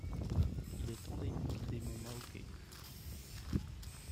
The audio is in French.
Il est endémique des monts Maoke.